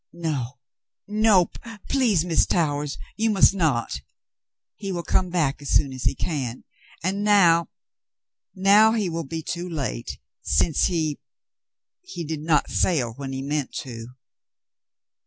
"No, no. Please, Mrs. Towers, you must not. He will come back as soon as he can ; and now — now — he will be too late, since he — he did not sail when he meant to."